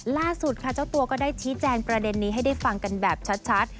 ล่าสุดค่ะเจ้าตัวก็ได้ชี้แจงประเด็นนี้ให้ได้ฟังกันแบบชัด